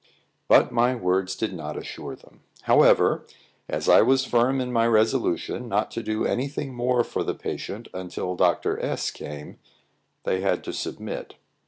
But my words did not assure them. However, as I was firm in my resolution not to do any thing more for the patient until Dr. S came, they had to submit.